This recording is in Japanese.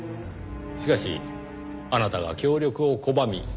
しかしあなたが協力を拒み